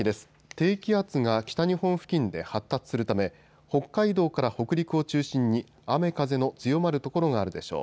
低気圧が北日本付近で発達するため北海道から北陸を中心に雨風の強まる所があるでしょう。